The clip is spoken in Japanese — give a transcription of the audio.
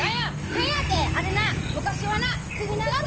「『何や』てあれな昔はな首長鳥首